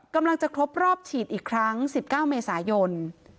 กำลังจะครบรอบฉีดอีกครั้ง๑๙เมษายน